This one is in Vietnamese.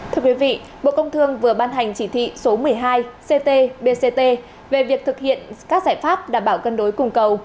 thưa quý vị bộ công thương vừa ban hành chỉ thị số một mươi hai ct bct về việc thực hiện các giải pháp đảm bảo cân đối cùng cầu